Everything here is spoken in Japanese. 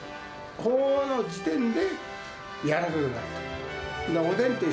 保温の時点で柔らかくなると。